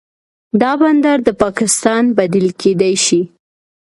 دا بندر د پاکستان بدیل کیدی شي.